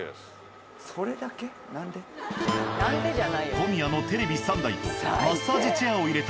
小宮のテレビ３台とマッサージチェアを入れた。